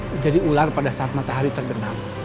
menjadi ular pada saat matahari tergenang